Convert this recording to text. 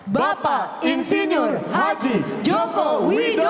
bapak insinyur haji joko widodo